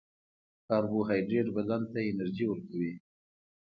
کاربوهایډریټ بدن ته انرژي ورکوي